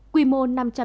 quy mô năm trăm linh bảy